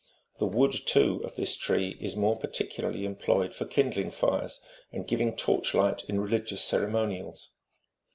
The wood, too, of this tree is more particu larly employed for kindling fires and giving torch light in religious ceremonials.